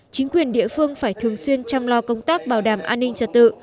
chính quyền địa phương phải thường xuyên chăm lo công tác bảo đảm an ninh trật tự